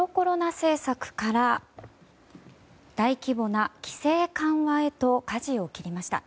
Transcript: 政策から大規模な規制緩和へとかじを切りました。